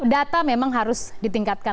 data memang harus ditingkatkan